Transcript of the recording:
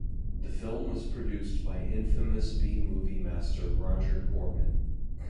The film was produced by infamous b-movie master Roger Corman.